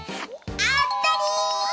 あったり！